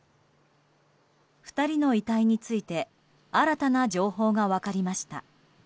２人の遺体について新たな情報が分かりました。